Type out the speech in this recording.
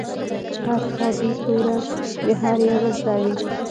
حسابي توره د هر يوه زده وه.